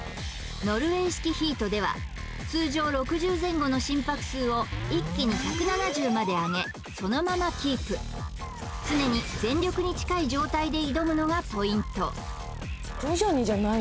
ノルウェー式ＨＩＩＴでは通常６０前後の心拍数を一気に１７０まで上げそのままキープ常に全力に近い状態で挑むのがポイント